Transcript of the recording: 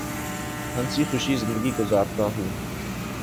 ہنسی خوشی زندگی گزارتا ہوں